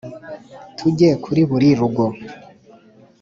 Tujye Kuri Buri Rugo